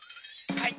はい。